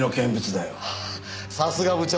さすが部長。